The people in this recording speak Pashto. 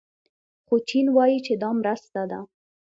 خو چین وايي چې دا مرسته ده.